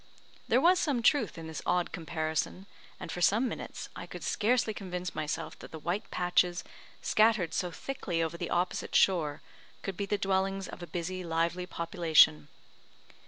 There was some truth in this odd comparison, and for some minutes, I could scarcely convince myself that the white patches scattered so thickly over the opposite shore could be the dwellings of a busy, lively population.